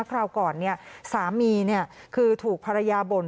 คราวก่อนเนี้ยสามีเนี้ยคือถูกภรรยาบ่น